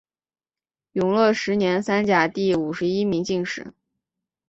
永乐十年三甲第五十一名进士。